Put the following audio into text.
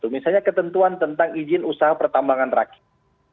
misalnya ketentuan tentang izin usaha pertambangan rakyat